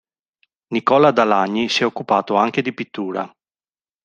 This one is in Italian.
Nicola d'Alagni si è occupato anche di pittura.